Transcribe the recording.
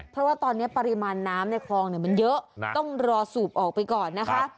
เพราะว่าตอนนี้ปริมาณน้ำในคลองมันเยอะต้องรอสูบออกไปก่อนนะคะ